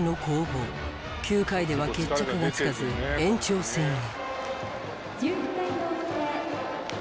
９回では決着がつかず延長戦へ。